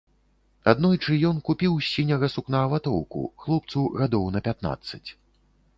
Аднойчы ён купіў з сіняга сукна ватоўку, хлопцу гадоў на пятнаццаць.